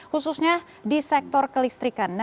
khususnya di sektor kelistrikan